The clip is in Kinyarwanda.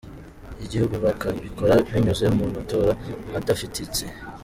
y’igihugu, bakabikora binyuze mu matora adafifitse.